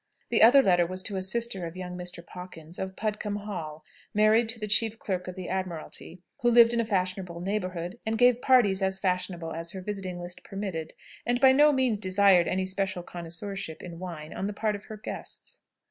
The other letter was to a sister of young Mr. Pawkins, of Pudcombe Hall, married to the chief clerk of the Admiralty, who lived in a fashionable neighbourhood, and gave parties as fashionable as her visiting list permitted, and by no means desired any special connoisseurship in wine on the part of her guests.